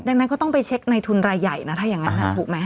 ดังนั้นก็ต้องไปเช็คในทุนรายใหญ่นะถ้าอย่างนั้นถูกไหม